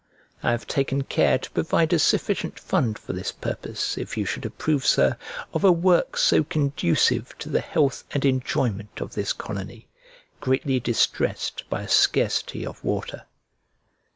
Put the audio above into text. I have taken care to provide a sufficient fund for this purpose, if you should approve, Sir, of a work so conducive to the health and enjoyment of this colony, greatly distressed by a scarcity of water.